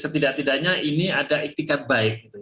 setidak tidaknya ini ada iktikat baik